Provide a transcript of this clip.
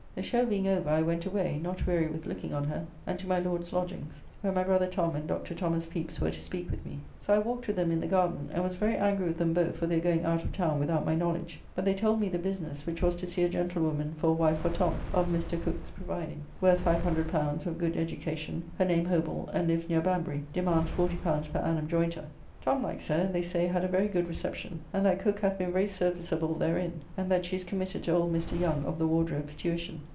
The show being over, I went away, not weary with looking on her, and to my Lord's lodgings, where my brother Tom and Dr. Thomas Pepys were to speak with me. So I walked with them in the garden, and was very angry with them both for their going out of town without my knowledge; but they told me the business, which was to see a gentlewoman for a wife for Tom, of Mr. Cooke's providing, worth L500, of good education, her name Hobell, and lives near Banbury, demands L40 per annum joynter. Tom likes her, and, they say, had a very good reception, and that Cooke hath been very serviceable therein, and that she is committed to old Mr. Young, of the Wardrobe's, tuition.